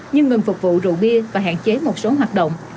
nhưng ngưng phục vụ rượu bia và hạn chế một số hoạt động